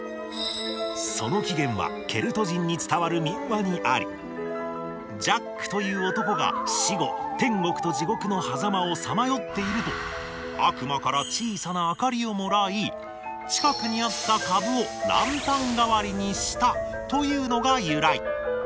その起源はケルト人に伝わる民話にありジャックという男が死後天国と地獄のはざまをさまよっていると悪魔から小さな明かりをもらい近くにあったカブをランタン代わりにしたというのが由来。